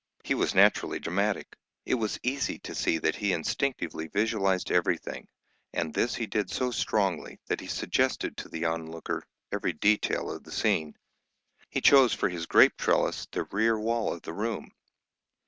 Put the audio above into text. He was naturally dramatic. It was easy to see that he instinctively visualised everything, and this he did so strongly that he suggested to the onlooker every detail of the scene. He chose for his grape trellis the rear wall of the room.